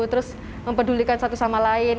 terus mempedulikan satu sama lain